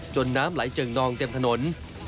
น้ำไหลเจิ่งนองเต็มถนน